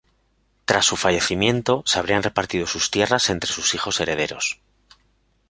Tras su fallecimiento, se habrían repartido sus tierras entre sus hijos herederos.